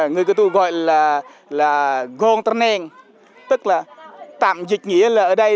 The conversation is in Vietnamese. người cựu tôi gọi là gong trần nang tức là tạm dịch nghĩa là ở đây